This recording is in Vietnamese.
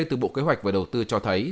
từ bộ kế hoạch và đầu tư cho thấy